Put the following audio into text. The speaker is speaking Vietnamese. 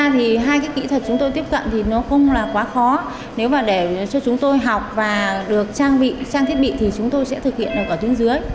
thực ra thì hai cái kỹ thuật chúng tôi tiếp cận thì nó không là quá khó